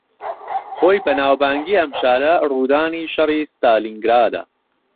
ھۆی بەناوبانگی ئەم شارە، ڕوودانی شەڕی ستالینگرادە